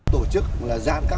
tổ chức là giám khám